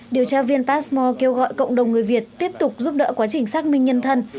điều tra viên pazmmore kêu gọi cộng đồng người việt tiếp tục giúp đỡ quá trình xác minh nhân thân